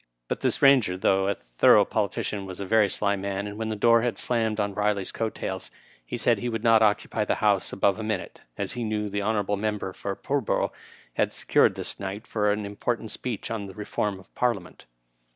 But this Bainger, thongh a thorough politician, was a very sly man, and when the door had slammed on Biley's coat tails, he said he would not occupy the House above a minute, as he knew the hon. member for Pull borough had secured this night for an important speech on the reform of the Parliament.